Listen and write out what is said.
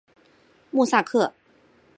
穆萨克。